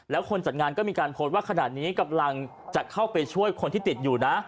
แล้วคนจัดงานก็มีการโพสต์ว่าขนาดนี้กำลังจะเข้าไปช่วยคนที่ติดอยู่นะ